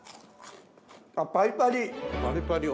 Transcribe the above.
パリパリ。